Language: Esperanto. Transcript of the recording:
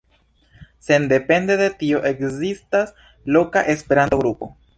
Sendepende de tio, ekzistas loka Esperanto-grupo.